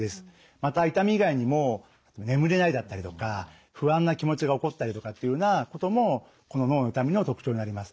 また痛み以外にも眠れないだったりとか不安な気持ちが起こったりとかっていうようなこともこの脳の痛みの特徴になります。